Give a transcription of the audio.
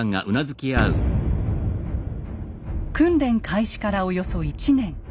訓練開始からおよそ１年。